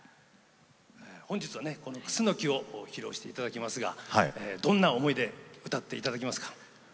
今日は「クスノキ」を披露していただきますがどんな思いで歌っていただきますか？